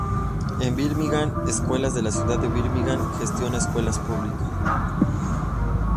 En Birmingham, Escuelas de la Ciudad de Birmingham gestiona escuelas públicas.